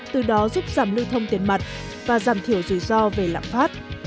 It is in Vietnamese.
từ đó giúp giảm lưu thông tiền mặt và giảm thiểu rủi ro về lạm phát